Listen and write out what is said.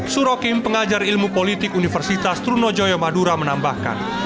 suro kim pengajar ilmu politik universitas trunojoyo madura menambahkan